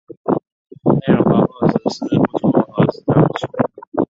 内容包括十四部注和十三部疏。